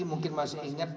mungkin masih inget